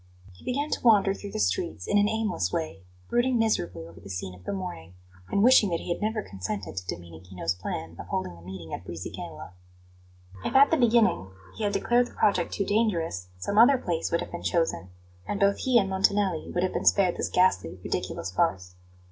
He began to wander through the streets in an aimless way, brooding miserably over the scene of the morning, and wishing that he had never consented to Domenichino's plan of holding the meeting in Brisighella. If at the beginning he had declared the project too dangerous, some other place would have been chosen; and both he and Montanelli would have been spared this ghastly, ridiculous farce.